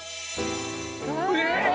えっ⁉